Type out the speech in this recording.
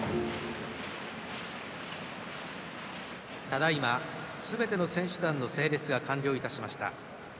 ただいま、すべての選手団の整列が完了いたしました。